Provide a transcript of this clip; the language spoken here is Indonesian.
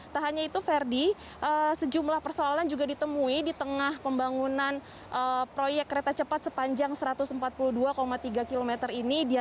tak hanya itu ferdi sejumlah persoalan juga ditemui di tengah pembangunan proyek kereta cepat sepanjang satu ratus empat puluh dua tiga km ini